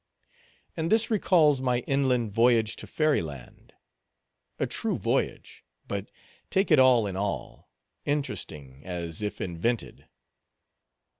And this recalls my inland voyage to fairy land. A true voyage; but, take it all in all, interesting as if invented.